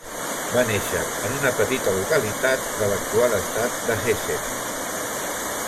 Va néixer en una petita localitat de l'actual estat de Hessen.